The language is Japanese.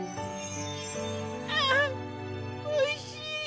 ああおいしい。